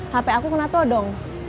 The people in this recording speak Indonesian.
hp aku kena todong